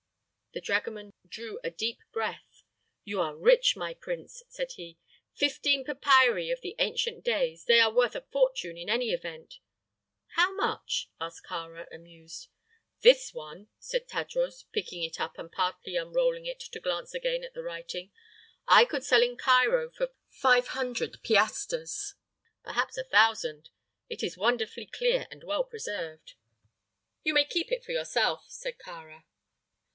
"Ah!" The dragoman drew a deep breath. "You are rich, my prince," said he. "Fifteen papyri of the ancient days! they are worth a fortune in any event." "How much?" asked Kāra, amused. "This one," said Tadros, picking it up and partly unrolling it to glance again at the writing, "I could sell in Cairo for five hundred piastres perhaps a thousand. It is wonderfully clear and well preserved." "You may keep it for yourself," said Kāra.